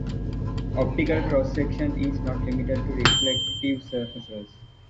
Optical cross section is not limited to reflective surfaces.